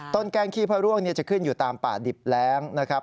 แกล้งขี้พระร่วงจะขึ้นอยู่ตามป่าดิบแร้งนะครับ